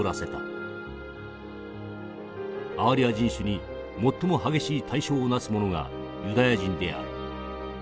アーリア人種に最も激しい対照をなすものがユダヤ人である。